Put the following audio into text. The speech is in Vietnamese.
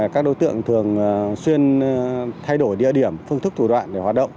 các đối tượng thường xuyên thay đổi địa điểm phương thức thủ đoạn để hoạt động